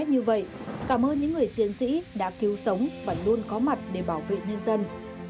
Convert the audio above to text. như vậy cảm ơn những người chiến sĩ đã cứu sống và luôn có mặt để bảo vệ nhân dân